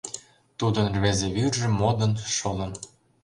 Тудын рвезе вӱржӧ модын, шолын.